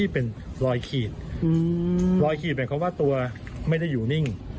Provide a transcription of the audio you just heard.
เป็นคำว่าตัวไม่ได้อยู่นิ่ง